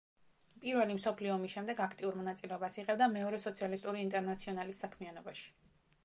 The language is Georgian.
პირველი მსოფლიო ომის შემდეგ აქტიურ მონაწილეობას იღებდა მეორე სოციალისტური ინტერნაციონალის საქმიანობაში.